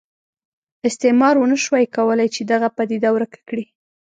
استعمار ونه شوای کولای چې دغه پدیده ورکه کړي.